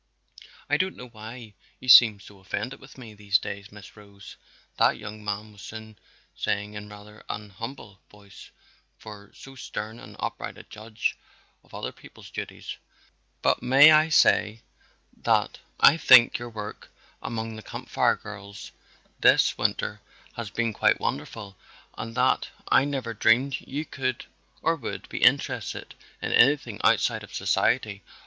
"I don't know why you seem so offended with me these days, Miss Rose," that young man was soon saying in rather an humble voice for so stern and upright a judge of other people's duties, "but may I say that I think your work among the Camp Fire girls this winter has been quite wonderful and that I never dreamed you could or would be interested in anything outside of society?